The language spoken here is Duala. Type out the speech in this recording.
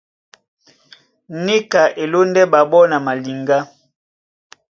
Níka e lóndɛ́ ɓaɓɔ́ na maliŋgá.